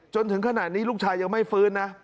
จนถึงขนาดนี้ลูกชายยังไม่ฟื้นนะ